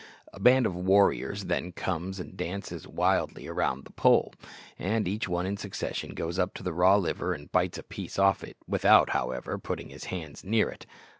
A band of warriors then come and dance wildly round this pole, and each one in succession goes up to the raw liver and bites a piece off it, without, however, putting his hands near it.